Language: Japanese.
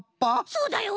そうだよ。